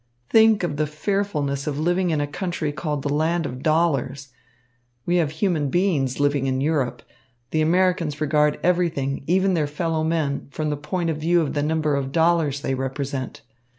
Think of the fearfulness of living in a country called the land of dollars. We have human beings living in Europe. The Americans regard everything, even their fellow men, from the point of view of the number of dollars they represent.